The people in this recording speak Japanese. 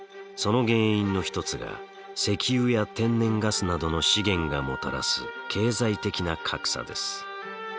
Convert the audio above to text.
その原因の一つが石油や天然ガスなどの資源がもたらす経済的な格差です。